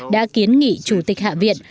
đã kiến nghị chủ tịch hạ viện